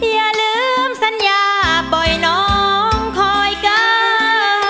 อย่าลืมสัญญาปล่อยน้องคอยกา